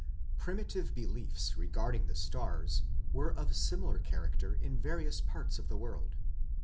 Primitive beliefs regarding the stars were of similar character in various parts of the world.